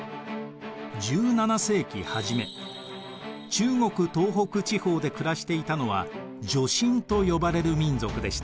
中国東北地方で暮らしていたのは女真と呼ばれる民族でした。